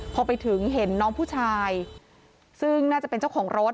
พอไปถึงเห็นน้องผู้ชายซึ่งน่าจะเป็นเจ้าของรถ